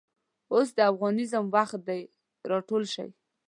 اوس دافغانیزم وخت دی راټول شئ